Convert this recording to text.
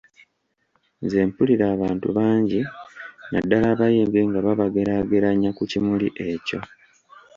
Nze mpulira abantu bangi naddala abayimbi nga babageraageranya ku kimuli ekyo.